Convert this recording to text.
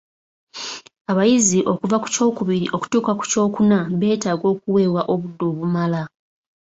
Abayizi okuva ku kyokubiri okutuuka ku kyokuna beetaga okuweebwa obudde obumala.